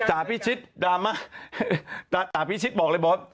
หนาพี่ชิตอ่าพี่ชิตบอกเลยบอส